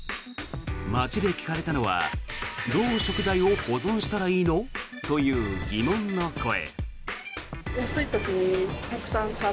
街で聞かれたのはどう食材を保存したらいいの？という疑問の声。